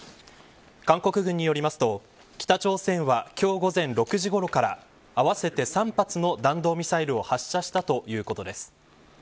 韓国軍によりますと、北朝鮮は今日午前６時ごろから合わせて３発の弾道ミサイルを発射したということです。